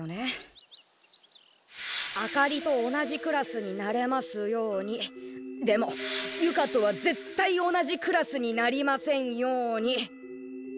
「あかりと同じクラスになれますようにでも由香とはぜったい同じクラスになりませんように勝」。